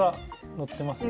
のってますね。